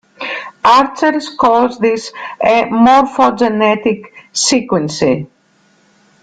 Archer calls this a morphogenetic sequence.